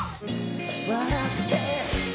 「笑って」